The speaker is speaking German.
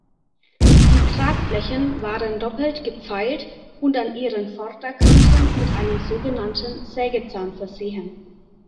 Die Tragflächen waren doppelt gepfeilt und an ihren Vorderkanten mit einem sogenannten Sägezahn versehen.